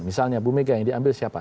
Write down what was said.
misalnya bumega yang diambil siapa